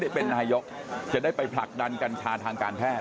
ได้เป็นนายกจะได้ไปผลักดันกัญชาทางการแพทย